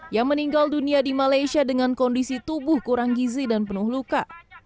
yang meninggal dunia di malaysia dengan kondisi tubuh kurang gizi dan penuh luka